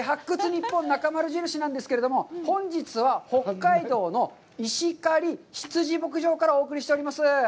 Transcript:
ニッポンなかまる印」なんですけれども、本日は北海道の石狩ひつじ牧場からお送りしております。